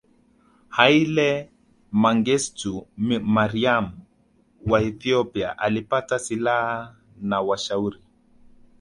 Haile Mengistu Mariam wa Ethiopia alipata silaha na washauri